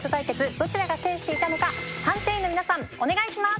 どちらが制していたのか判定員の皆さんお願いします！